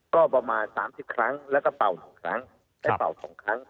ก็ประมาณสามสิบครั้งแล้วก็เป่าหนึ่งครั้งแล้วเป่าสองครั้ง